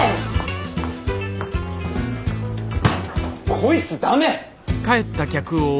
こいつダメ！